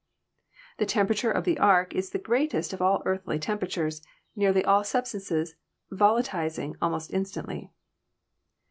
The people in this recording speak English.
The temperature of the arc is the greatest of all earthly temperatures, nearly all substances volatilizing almost instantly.